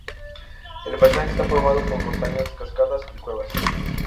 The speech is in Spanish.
El paisaje está formado por montañas, cascadas y cuevas.